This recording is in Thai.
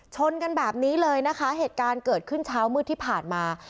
ชนกันแบบนี้เลยนะคะเหตุการณ์เกิดขึ้นเช้ามืดที่ผ่านมา